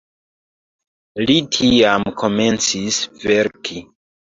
Ŝi tiam komencis verki.